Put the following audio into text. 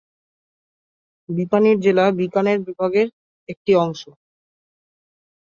বিকানের জেলা বিকানের বিভাগের একটি অংশ।